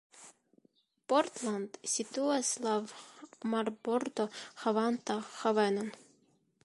Portland situas laŭ marbordo havanta havenon.